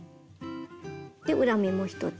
で裏目も１つ。